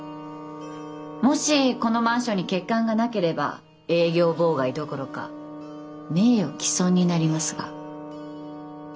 もしこのマンションに欠陥がなければ営業妨害どころか名誉毀損になりますが。